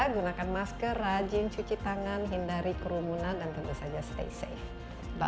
gunakan masker rajin cuci tangan hindari kerumunan dan tentu saja stay safe